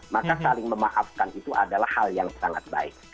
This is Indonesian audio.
maka saling memaafkan itu adalah hal yang sangat baik